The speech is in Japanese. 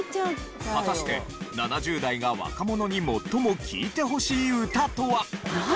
果たして７０代が若者に最も聴いてほしい歌とは？